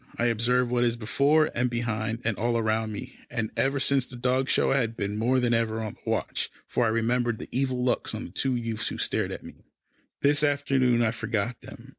I observe what is before, and behind, and all round me, and ever since the dog show, I had been more than ever on the watch, for I remembered the evil looks of the two youths who had stared at me. This afternoon I forgot them.